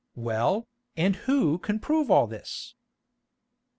"Well, and who can prove all this?"